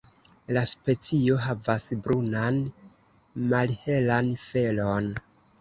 La specio havas brunan malhelan felon.